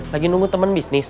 lagi nunggu temen bisnis